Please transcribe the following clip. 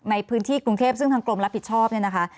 ในพื้นที่กรุงเทพซึ่งทางกรมรับผิดชอบเนี่ยนะคะ